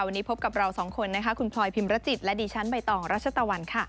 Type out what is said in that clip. วันนี้พบกับเราสองคนนะคะคุณพลอยพิมรจิตและดิฉันใบตองรัชตะวันค่ะ